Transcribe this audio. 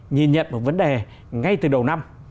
nhìn nhận một vấn đề ngay từ đầu năm